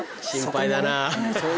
心配だな。